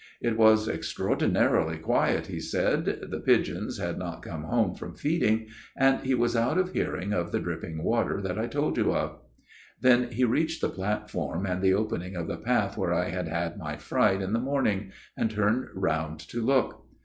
It was extraordinarily quiet, he said, the pigeons had not come home from feeding, and he was out of hearing of the dripping water that I told you of. " Then he reached the platform and the opening of the path where I had had my fright in the morning ; and turned round to look.